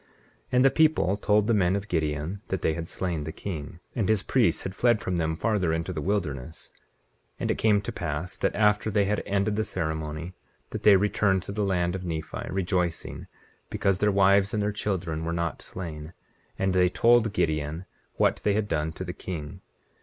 19:23 And the people told the men of Gideon that they had slain the king, and his priests had fled from them farther into the wilderness. 19:24 And it came to pass that after they had ended the ceremony, that they returned to the land of Nephi, rejoicing, because their wives and their children were not slain; and they told Gideon what they had done to the king.